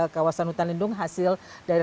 kawasan hutan lindung hasil dari